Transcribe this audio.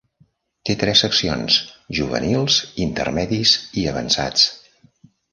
Té tres seccions: juvenils, intermedis i avançats.